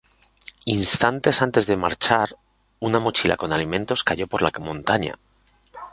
Instantes antes de marchar, una mochila con alimentos cayó por la montaña.